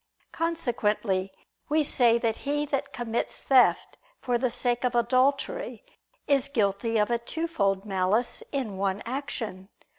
Consequently we say that he that commits theft for the sake of adultery, is guilty of a twofold malice in one action.